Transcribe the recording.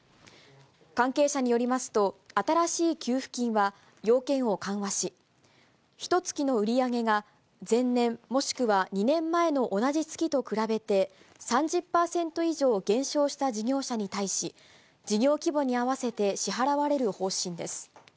関係者によりますと、新しい給付金は、要件を緩和し、ひとつきの売り上げが前年もしくは２年前の同じ月と比べて３０％以上減少した事業者に対し、事業規模に合わせて支払われる方針です。